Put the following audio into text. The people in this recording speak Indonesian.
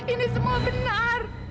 ini semua benar